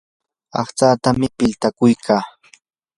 aqtsatam piltakuykaa.